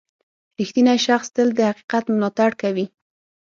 • رښتینی شخص تل د حقیقت ملاتړ کوي.